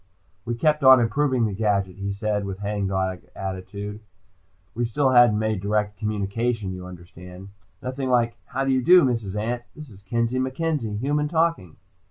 "We kept on improving the gadget," he said with hangdog attitude. "We still hadn't made direct communication, you understand. Nothing like 'How do you do, Mrs. Ant? This is Kenzie MacKenzie, human, talking.'"